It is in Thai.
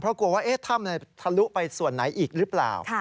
เพราะกลัวว่าถ้ำทะลุไปส่วนไหนอีกหรือเปล่า